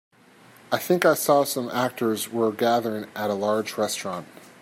I think I saw some actors were gathering at a large restaurant.